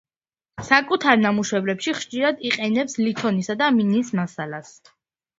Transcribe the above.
საკუთარ ნამუშევრებში ხშირად იყენებს ლითონისა და მინის მასალას.